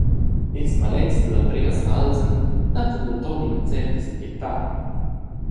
Ils maletgs dad Andreas Walser dattan denton ina certa segirtad.